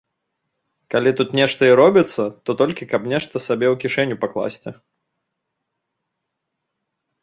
Калі тут нешта і робіцца, то толькі, каб нешта сабе ў кішэню пакласці.